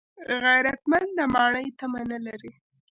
غیرتمند د ماڼۍ تمه نه لري